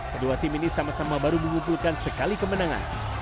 kedua tim ini sama sama baru mengumpulkan sekali kemenangan